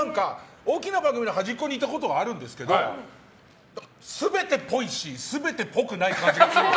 大きな番組の端っこにいたことはあるんですけど全て、ぽいし全て、ぽくない感じがする。